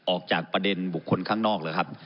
ออกจากประเด็นบุคคลข้างนอกแล้วครับ